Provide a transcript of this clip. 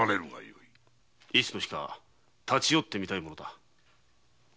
いつの日か立ち寄ってみたいものだ。